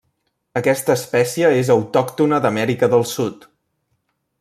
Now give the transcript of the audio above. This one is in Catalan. Aquesta espècie és autòctona d'Amèrica del Sud.